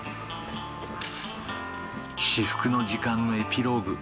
至福の時間のエピローグ